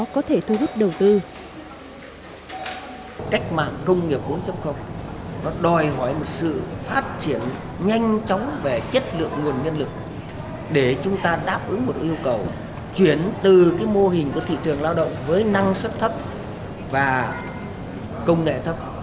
chúng ta đáp ứng một yêu cầu chuyển từ mô hình của thị trường lao động với năng suất thấp và công nghệ thấp